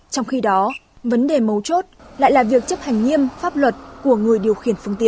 trong khi đó vấn đề mấu chốt lại là việc chấp hành nghiêm pháp luật của người điều khiển phương tiện